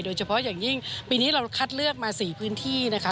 โดยเฉพาะปีนี้เราคัดเลือกมา๔พื้นที่